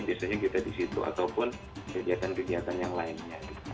biasanya kita di situ ataupun kegiatan kegiatan yang lainnya